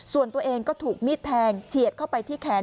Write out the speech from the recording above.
ส่วนตัวเองก็ถูกมีดแทงเฉียดเข้าไปที่แขน